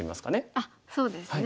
あっそうですね。